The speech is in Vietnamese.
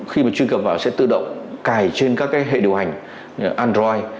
khi mà chuyên cập vào sẽ tự động cài trên các hệ điều hành android